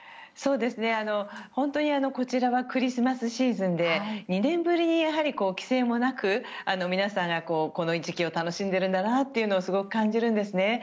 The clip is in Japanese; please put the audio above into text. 本当にこちらはクリスマスシーズンで２年ぶりに規制もなく皆さんが、この時期を楽しんでいるんだなというのをすごく感じるんですね。